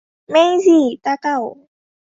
মেইজি, তাকাও।